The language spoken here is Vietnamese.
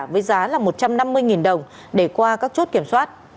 với giá là một trăm năm mươi đồng để qua các chốt kiểm soát